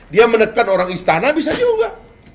dia menekan orang istana bisa juga